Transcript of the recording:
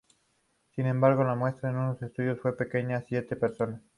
Sin embargo la muestra en estudio fue muy pequeña: siete personas.